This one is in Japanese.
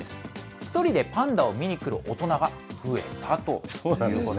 １人でパンダを見に来る大人が増えたということ。